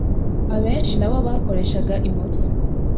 abenshi nabo bakoreshaga imoso.